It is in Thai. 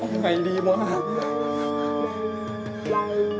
ไอ้หน่าอังไงดีมาก